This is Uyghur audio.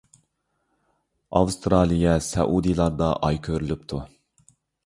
ئاۋسترالىيە، سەئۇدىلاردا ئاي كۆرۈلۈپتۇ.